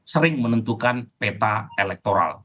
sering menentukan peta elektoral